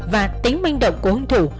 và tính minh động của hương thủ